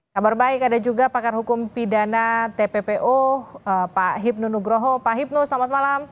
kabar baik ada juga pakar hukum pidana tppo pak hipnu nugroho pak hipnu selamat malam